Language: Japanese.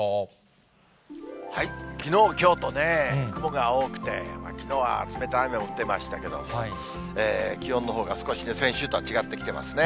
きのう、きょうとね、雲が多くて、きのうは冷たい雨も降ってましたけど、気温のほうが少しね、先週とは違ってきてますね。